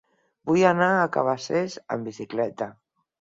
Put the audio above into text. Vull anar a Cabacés amb bicicleta.